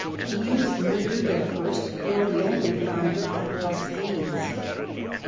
He was neither the first nor the only founder of bastides.